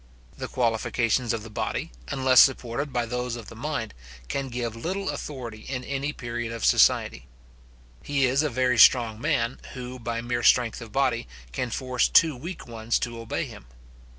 The qualifications of the body, unless supported by those of the mind, can give little authority in any period of society. He is a very strong man, who, by mere strength of body, can force two weak ones to obey him.